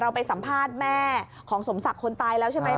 ไปสัมภาษณ์แม่ของสมศักดิ์คนตายแล้วใช่ไหม